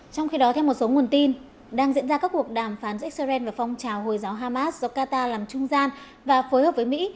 trong khi đó theo một số nguồn tin đang diễn ra các cuộc đàm phán giữa israel và phong trào hồi giáo hamas do qatar làm trung gian và phối hợp với mỹ